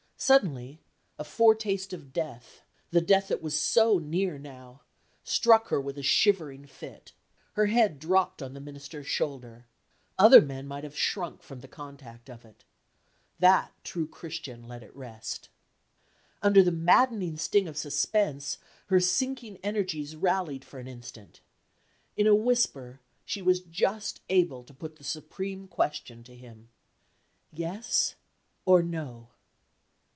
Suddenly, a foretaste of death the death that was so near now! struck her with a shivering fit: her head dropped on the Minister's shoulder. Other men might have shrunk from the contact of it. That true Christian let it rest. Under the maddening sting of suspense, her sinking energies rallied for an instant. In a whisper, she was just able to put the supreme question to him. "Yes? or No?"